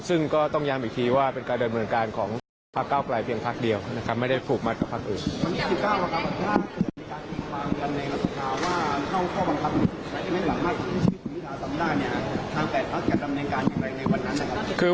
ซึ่งก็ต้องย้ำอีกทีว่าเป็นการดำเนินการของพักเก้าไกลเพียงพักเดียวนะครับไม่ได้ผูกมัดกับพักอื่น